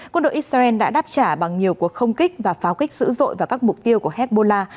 quân đội israel đã đáp trả bằng nhiều cuộc không kích và pháo kích sữ dội vào các mục tiêu của hezbollah